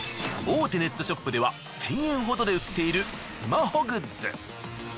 大手ネットショップでは１，０００円ほどで売っているスマホグッズ。